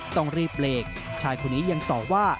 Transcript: ต้องรีบเบรกชายคนนี้ยังตอบว่า